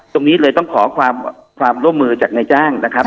ตรงนี้เลยต้องขอความร่วมมือจากนายจ้างนะครับ